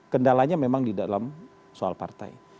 kendalanya memang di dalam soal partai